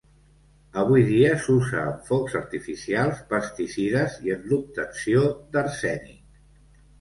Avui dia s'usa en focs artificials, pesticides i en l'obtenció d'arsènic.